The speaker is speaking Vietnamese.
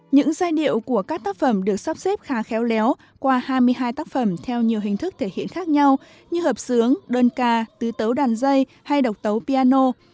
những giai điệu của các tác phẩm được sắp xếp khá khéo léo qua hai mươi hai tác phẩm theo nhiều hình thức thể hiện khác nhau như hợp sướng đơn ca tứ tấu đàn dây hay độc tấu piano